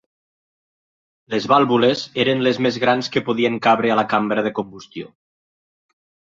Las vàlvules eren les més grans que podien cabre a la cambra de combustió.